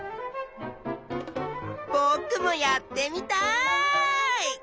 ぼくもやってみたい！